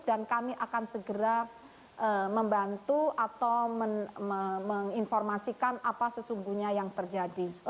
dan kami akan segera membantu atau menginformasikan apa sesungguhnya yang terjadi